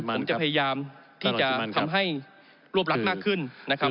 ผมจะพยายามที่จะทำให้รวบรัดมากขึ้นนะครับ